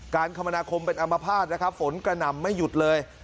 คมนาคมเป็นอัมพาตนะครับฝนกระหน่ำไม่หยุดเลย